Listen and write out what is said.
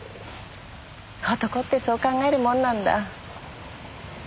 男ってそう考えるもんなんだ。えっ？